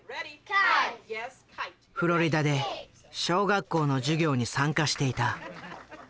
フロリダで小学校の授業に参加していた。